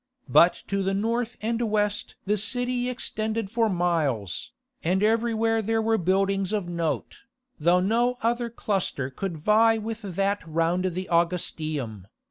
But to north and west the city extended for miles, and everywhere there were buildings of note, though no other cluster could vie with that round the Augustaeum.